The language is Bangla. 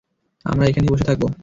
আমরা এখানেই বসে থাকব।